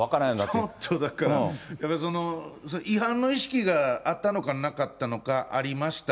本当、だから、違反の意識があったのかなかったのか、ありました。